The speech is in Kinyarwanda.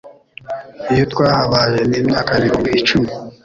Iyo twahabaye n'Imyaka ibihumbi icumi